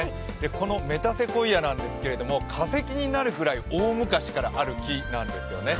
このメタセコイアなんですけれども、化石になるくらい大昔からある木なんですね。